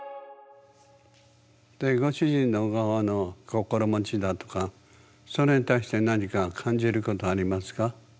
でご主人の側の心持ちだとかそれに対して何か感じることありますか？